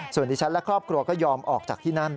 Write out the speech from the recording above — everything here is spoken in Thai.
ส่วนดิฉันและครอบครัวก็ยอมออกจากที่นั่น